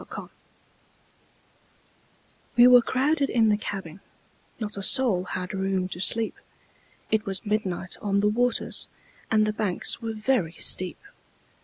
Field] WE were crowded in the cabin, Not a soul had room to sleep; It was midnight on the waters, And the banks were very steep.